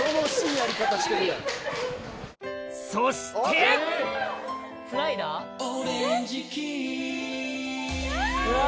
そして！うわ！